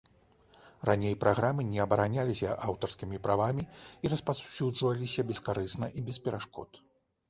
Раней праграмы не абараняліся аўтарскімі правамі і распаўсюджваліся бескарысна і без перашкод.